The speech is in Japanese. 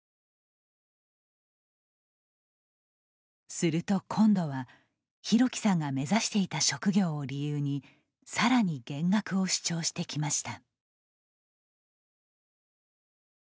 すると、今度は、裕貴さんが目指していた職業を理由にさらに減額を主張してきました。